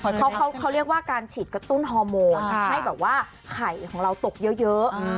เขาเขาเขาเรียกว่าการฉีดกระตุ้นฮอร์โมนค่ะให้แบบว่าไข่ของเราตกเยอะเยอะอืม